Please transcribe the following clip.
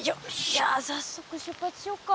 じゃあさっそく出発しようか。